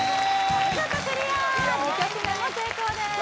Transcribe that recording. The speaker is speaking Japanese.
お見事クリア２曲目も成功です